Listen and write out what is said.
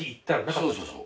そうそうそう。